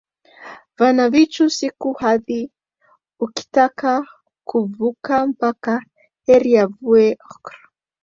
Vana vechu siku hidhi ukitaka kuvavaka mpaka mahari ave makuru.